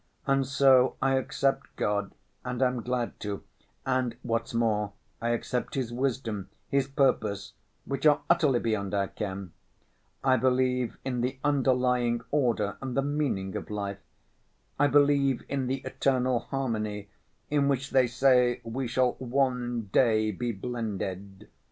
And so I accept God and am glad to, and what's more, I accept His wisdom, His purpose—which are utterly beyond our ken; I believe in the underlying order and the meaning of life; I believe in the eternal harmony in which they say we shall one day be blended.